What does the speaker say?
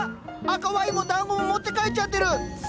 赤ワインもだんごも持って帰っちゃってる！